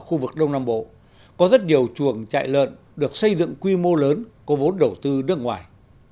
khu vực đông nam bộ có rất nhiều chuồng trại lợn được xây dựng quy mô lớn có vốn đầu tư nước ngoài